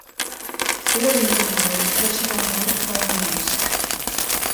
Era ben conegut pel seu amor pel marisc.